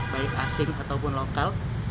baik asing ataupun lokal